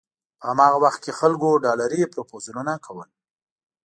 په هماغه وخت کې خلکو ډالري پروپوزلونه کول.